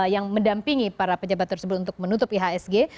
yang mendampingi para pejabat tersebut untuk menutup ihsg